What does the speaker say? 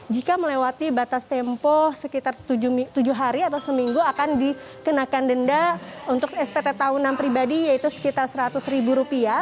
jika melewati batas tempo sekitar tujuh hari atau seminggu akan dikenakan denda untuk spt tahunan pribadi yaitu sekitar seratus ribu rupiah